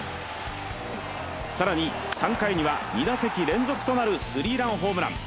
更に３回には２打席連続となるスリーランホームラン。